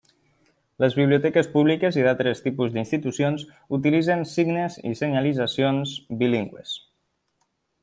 Les biblioteques públiques i d'altres tipus d'institucions utilitzen signes i senyalitzacions bilingües.